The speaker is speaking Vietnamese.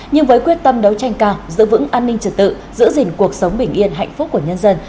nhưng với quyết tâm đấu tranh cao giữ vững an ninh trật tự giữ gìn cuộc sống bình yên hạnh phúc của nhân dân